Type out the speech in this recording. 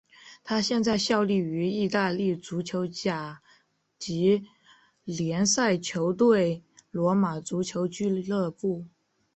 他现在效力于意大利足球甲级联赛球队罗马足球俱乐部。